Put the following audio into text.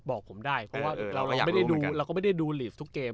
บอกผมได้เพราะว่าเรายังไม่ได้ดูเราก็ไม่ได้ดูลีฟทุกเกม